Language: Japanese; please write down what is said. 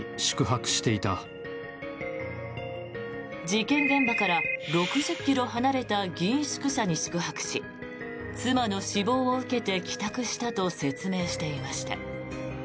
事件現場から６０ｋｍ離れた議員宿舎に宿泊し妻の死亡を受けて帰宅したと説明していました。